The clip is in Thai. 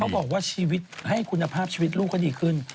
บอกว่าชีวิตให้คุณภาพชีวิตลูกเขาดีขึ้น